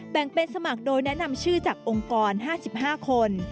แบ่งเป็นสมัครโดยแนะนำชื่อจากองค์กร๕๕คน